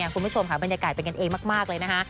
คุณผู้ชมค่ะบรรยากาศเป็นกันเองมากเลยนะคะ